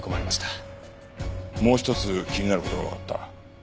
もう一つ気になる事がわかった。